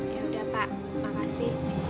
yaudah pak makasih